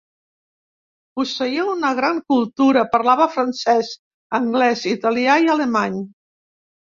Posseïa una gran cultura, parlava francès, anglès, italià i alemany.